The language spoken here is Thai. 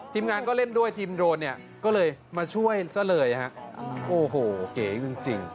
ทีมงานก็เล่นด้วยทีมโดรนเนี่ยก็เลยมาช่วยซะเลยฮะโอ้โหเก๋จริง